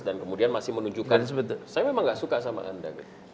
dan kemudian masih menunjukkan saya memang tidak suka sama anda